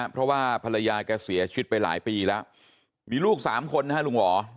เพราะว่าภรรยาแกเสียชีวิตไปหลายปีแล้วมีลูก๓คนนะฮะลุงหวอ